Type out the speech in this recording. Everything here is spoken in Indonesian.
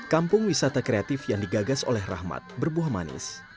kampung wisata kreatif yang digagas oleh rahmat berbuah manis